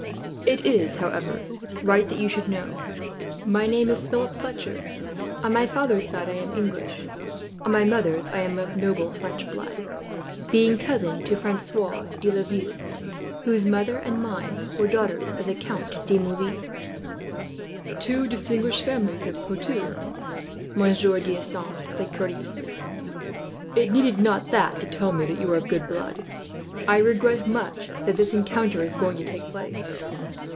"It is, however, right that you should know it. It is Philip Fletcher. On my father's side I am English, on my mother's I am of noble French blood, being cousin to Francois de Laville, whose mother and mine were daughters of the Count de Moulins." "Two distinguished families of Poitou," Monsieur D'Estanges said, courteously. "It needed not that, to tell me that you were of good blood. I regret much that this encounter is going to take place.